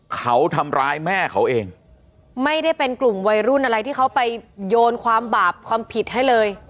เขาทำร้ายแม่เขาเองไม่ได้เป็นกลุ่มวัยรุ่นอะไรที่เขาไปโยนความบาปความผิดให้เลย